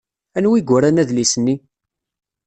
Anwa i yuran adlis-nni?